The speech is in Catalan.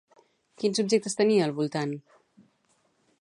Quins objectes tenia al voltant?